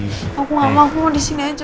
aku gak mau aku disini aja